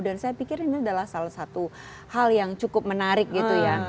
saya pikir ini adalah salah satu hal yang cukup menarik gitu ya